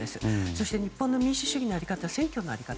そして日本の民主主義の在り方選挙の在り方